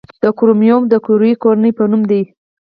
د کوریوم د کیوري کورنۍ په نوم دی.